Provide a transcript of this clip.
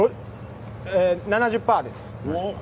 ７０％です。